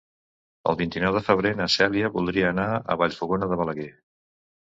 El vint-i-nou de febrer na Cèlia voldria anar a Vallfogona de Balaguer.